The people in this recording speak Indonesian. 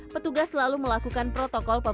petugas selalu melakukan protokol